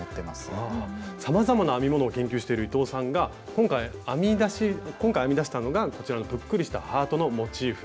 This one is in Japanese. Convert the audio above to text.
さまざまな編み物を研究している伊藤さんが今回編み出したのがこちらのぷっくりしたハートのモチーフ。